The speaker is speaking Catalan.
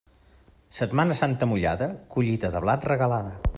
Setmana Santa mullada, collita de blat regalada.